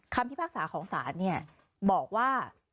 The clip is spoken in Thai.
คำที่ภาคศาของศาลเนี่ยบอกว่า